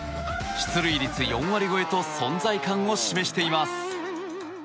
出塁率４割超えと存在感を示しています。